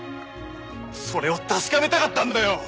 それを確かめたかったんだよ！